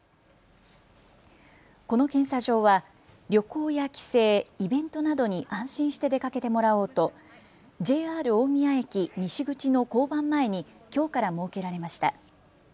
この検査場は旅行や帰省、イベントなどに安心して出かけてもらおうとＪＲ大宮駅西口の交番前にきょうから設けられました。